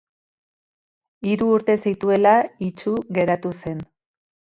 Hiru urte zituela itsu geratu zen.